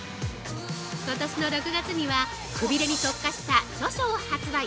ことしの６月にはくびれに特化した著書を発売。